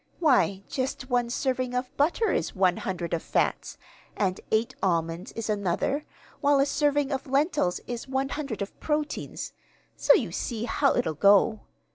Why, just one serving of butter is 100 of fats, and eight almonds is another, while a serving of lentils is 100 of proteins. So you see how it'll go."